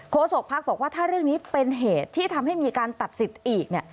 ศกภักดิ์บอกว่าถ้าเรื่องนี้เป็นเหตุที่ทำให้มีการตัดสิทธิ์อีกเนี่ย